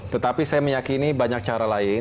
tetapi saya meyakini banyak cara lain